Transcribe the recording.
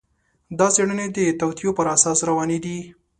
دا څېړنې د توطیو پر اساس روانې دي.